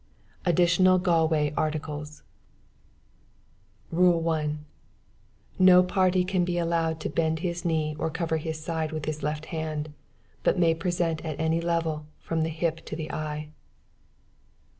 ADDITIONAL GALWAY ARTICLES "Rule 1. No party can be allowed to bend his knee or cover his side with his left hand; but may present at any level from the hip to the eye.